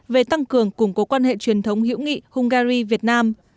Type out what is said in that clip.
về tăng cường củng cố quan hệ truyền thống hữu nghị hungary việt nam